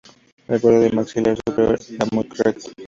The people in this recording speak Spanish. El borde del maxilar superior era muy recto.